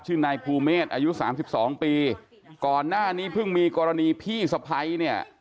นายภูเมษอายุสามสิบสองปีก่อนหน้านี้เพิ่งมีกรณีพี่สะพ้ายเนี่ย